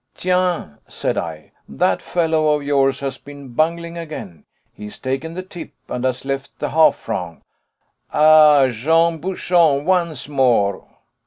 "Tiens," said I, "that fellow of yours has been bungling again. He has taken the tip and has left the half franc." "Ah! Jean Bouchon once more!"